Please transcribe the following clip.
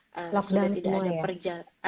lockdown semua ya